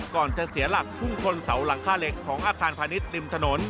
ก่อนจะเสียหลักพุ่งชนเสาหลังค่าเหล็กของอาคารพาณิชย์ริมถนน